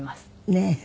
ねえ。